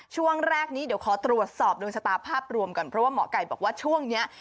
ช่วงแรกนี้เดี๋ยวขอตรวจสอบดวงชะตาภาพรวมก่อนเพราะว่าหมอไก่บอกว่าช่วงนี้